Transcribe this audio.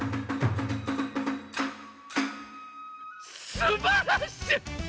すばらしい！